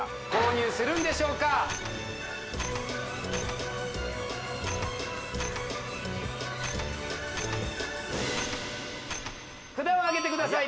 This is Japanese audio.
購入するんでしょうか札をあげてください